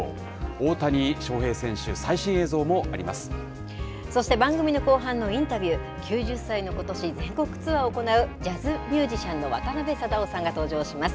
大谷翔平選手、最新映像もそして番組の後半のインタビュー、９０歳のことし、全国ツアーを行うジャズミュージシャンの渡辺貞夫さんが登場します。